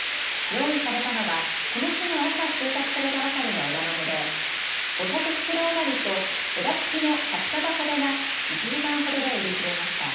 用意されたのはこの日の朝収穫されたばかりの枝豆で５００袋余りと枝付きの１００束ほどが１時間ほどで売り切れました。